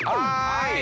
はい。